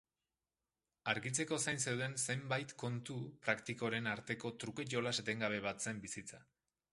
Argitzeko zain zeuden zenbait kontu praktikoren arteko truke-jolas etengabe bat zen bizitza.